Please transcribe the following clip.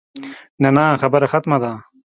نه نه خبره ختمه ده.